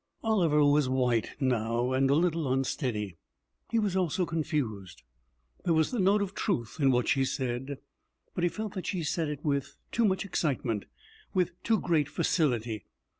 Oliver was white now, and a little unsteady. He was also confused. There was the note of truth in what she said, but he felt that she said it with too much excitement, with too great facility.